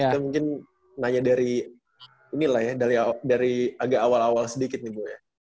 kita mungkin nanya dari inilah ya dari agak awal awal sedikit nih bu ya